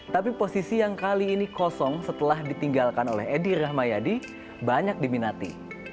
tapi posisi yang kali ini kosong setelah ditinggalkan oleh edi rahmayadi banyak diminati